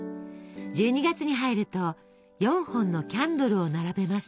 １２月に入ると４本のキャンドルを並べます。